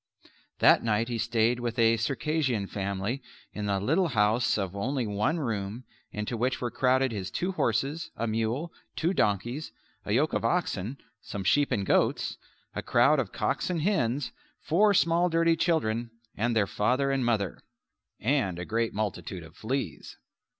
That night he stayed with a Circassian family in a little house of only one room into which were crowded his two horses, a mule, two donkeys, a yoke of oxen, some sheep and goats, a crowd of cocks and hens, four small dirty children and their father and mother; and a great multitude of fleas.